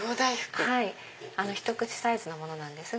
ひと口サイズのものなんですが。